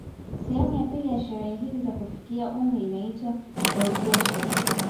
Sehemu ya pili ya sherehe hizi za kufikia umri inaitwa olghesher